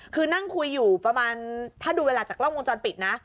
คือนั่งคุยอยู่ประมาณถ้าดูเวลาจากกล้องวงจรปิดนะ